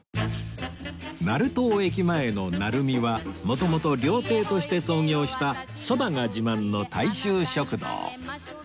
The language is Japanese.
成東駅前の成美は元々料亭として創業したそばが自慢の大衆食堂